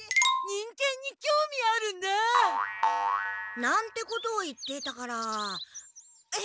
忍犬にきょうみあるんだ！なんてことを言っていたからヘムヘムはどこ？